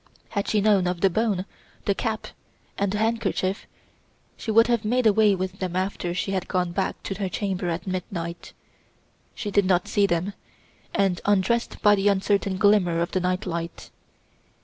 Had she known of the bone, the cap, and the handkerchief, she would have made away with them after she had gone back to her chamber at midnight. She did not see them, and undressed by the uncertain glimmer of the night light.